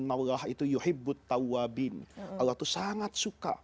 allah itu sangat suka